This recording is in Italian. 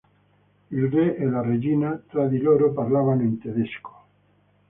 Il Re e la Regina tra di loro parlavano in tedesco.